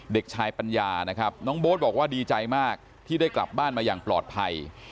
เด็กชายปัญญานะครับน้องโบ๊ทบอกว่าดีใจมากที่ได้กลับบ้านมาอย่างปลอดภัย